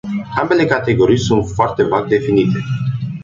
Ambele categorii sunt foarte vag definite.